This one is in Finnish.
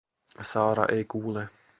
Saara ei kuule.